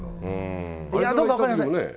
どうか分かりません。